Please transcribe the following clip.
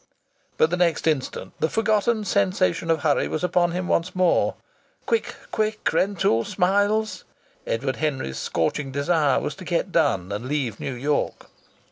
But the next instant the forgotten sensation of hurry was upon him once more. Quick, quick, Rentoul Smiles! Edward Henry's scorching desire was to get done and leave New York.